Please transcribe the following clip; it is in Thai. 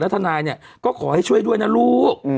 ทนายเนี่ยก็ขอให้ช่วยด้วยนะลูก